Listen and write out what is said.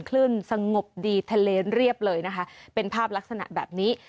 คลื่นสงบดีทะเลเรียบเลยนะคะเป็นภาพลักษณะแบบนี้